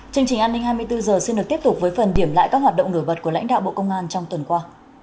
chương trình an ninh hai mươi bốn h xin được tiếp tục với phần điểm lại các hoạt động nổi bật của lãnh đạo bộ công an trong tuần qua